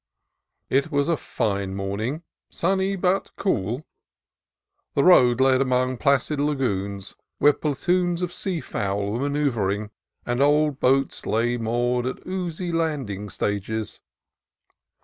It was a fine morning, sunny but cool. The road led among placid lagoons, where platoons of sea fowl were manoeuvring, and old boats lay moored A JOCUND CAVALIER 227 at oozy landing stages.